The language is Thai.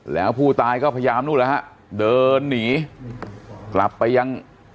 แล้วผู้ตายก็พยายามนู่นแล้วฮะเดินหนีกลับไปยัง